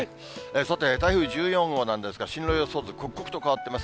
さて、台風１４号なんですが、進路予想図、刻々と変わってます。